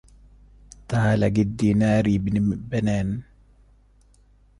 تعالى جد ديناري بنان